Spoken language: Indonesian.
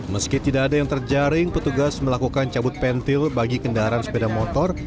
meski tidak ada yang terjaring petugas melakukan cabut pentil bagi kendaraan sepeda motor